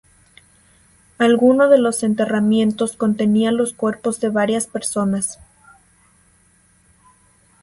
Alguno de los enterramientos contenía los cuerpos de varias personas.